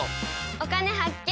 「お金発見」。